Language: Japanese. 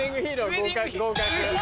合格。